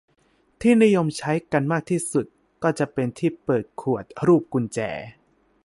ที่นิยมใช้กันมากที่สุดก็จะเป็นที่เปิดขวดรูปกุญแจ